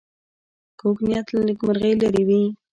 کوږ نیت له نېکمرغۍ لرې وي